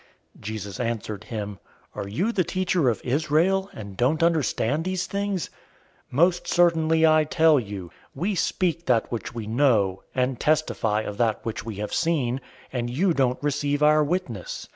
003:010 Jesus answered him, "Are you the teacher of Israel, and don't understand these things? 003:011 Most certainly I tell you, we speak that which we know, and testify of that which we have seen, and you don't receive our witness.